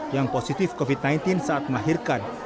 yang positif covid sembilan belas saat melahirkan